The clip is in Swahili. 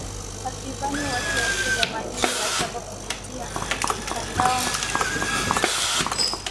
takriban watu elfu themanini na saba kupitia mtandao facebook